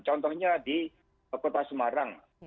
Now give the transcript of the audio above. contohnya di kota semarang